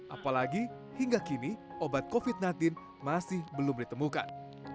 apalagi hingga kini obat covid sembilan belas masih belum ditemukan